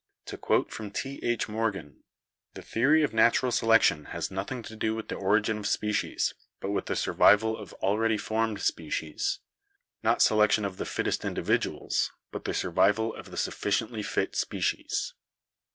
To quote from T. H. Morgan, "... the theory of natural selection has nothing to do with the origin of species, but with the survival 1 of already formed species. Not selection of the fittest individuals, but the survival of the sufficiently fit species."